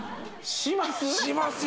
しますよ